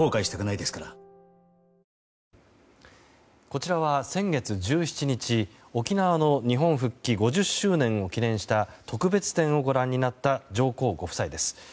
こちらは先月１７日沖縄の日本復帰５０周年を記念した特別展をご覧になった上皇ご夫妻です。